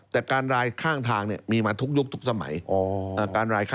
แต่การรายข้างทางมีมาทุกยุคทุกสมัย